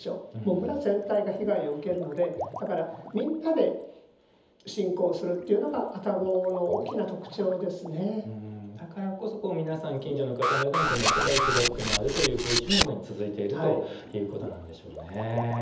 村全体が被害を受けるのでだからみんなで信仰するというのがだからこそ皆さん、近所の方々にこのお札を配って回るという風習も今に続いているということなんでしょうね。